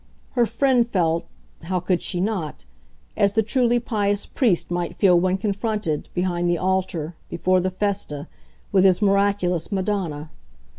Her friend felt how could she not? as the truly pious priest might feel when confronted, behind the altar, before the festa, with his miraculous Madonna.